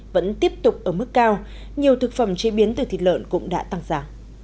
vẫn tiếp tục ở mức cao nhiều thực phẩm chế biến từ thịt lợn cũng đã tăng giá